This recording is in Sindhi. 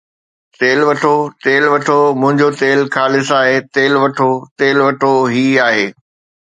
تيل وٺو، تيل وٺو، منهنجو تيل خالص آهي، تيل وٺو، تيل وٺو، هي آهي